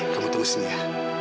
kamu tunggu sini ya